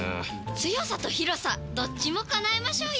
強さと広さどっちも叶えましょうよ！